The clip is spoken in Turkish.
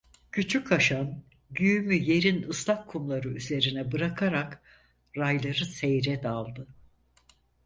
Küçük Haşan güğümü yerin ıslak kumları üzerine bırakarak rayları seyre daldı.